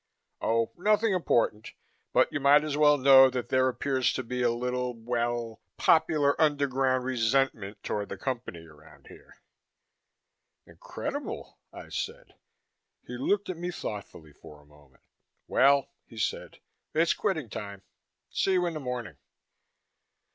Oh, nothing important, but you might as well know that there appears to be a little, well, popular underground resentment toward the Company around here." "Incredible!" I said. He looked at me thoughtfully for a moment. "Well," he said, "it's quitting time. See you in the morning."